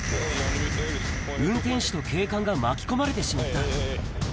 運転手と警官が巻き込まれてしまった。